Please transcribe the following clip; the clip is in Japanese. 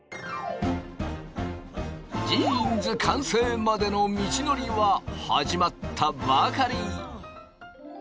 ジーンズ完成までの道のりは始まったばかり。